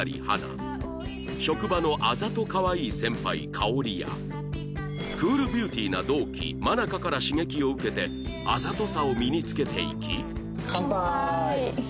職場のあざとかわいい先輩香織やクールビューティーな同期愛香から刺激を受けてあざとさを身につけていき乾杯！